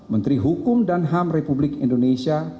menteri hukum dan ham republik indonesia